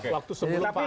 waktu sebelum pak